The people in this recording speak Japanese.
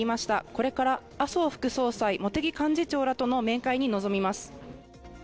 これから麻生副総裁、茂木幹事長らとの面会に臨みます。